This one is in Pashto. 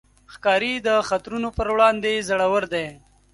ښکاري د خطرونو پر وړاندې زړور دی.